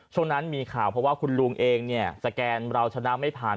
ช่วงนั้นมีข่าวเพราะว่าคุณลุงเองเนี่ยสแกนเราชนะไม่ผ่าน